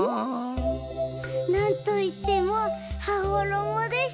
なんといってもはごろもでしょ！